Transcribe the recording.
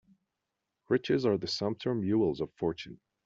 Riches are the sumpter mules of fortune.